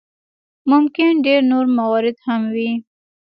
ممکن ډېر نور موارد هم وي.